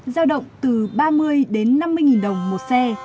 giao động từ ba mươi đến năm mươi nghìn đồng một xe